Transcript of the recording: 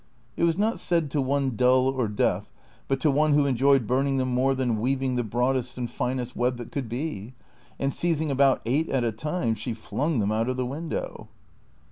It was not said to one dull or deaf, but to one Avho enjoyed burning them more than weaving the broadest and finest web that could be ; and seizing about eight at a time, she flung them out of the window.